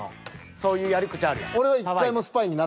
そういうやり口あるやん騒いで。